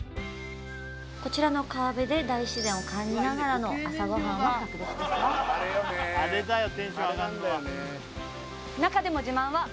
こちらの川辺で大自然を感じながらの朝ごはんは格別ですよ